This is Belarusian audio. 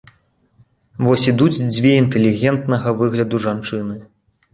Вось ідуць дзве інтэлігентнага выгляду жанчыны.